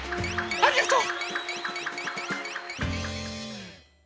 ありがとう。